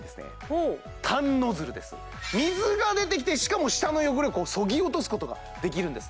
ほうタンノズルです水が出てきてしかも舌の汚れをこうそぎ落とすことができるんですね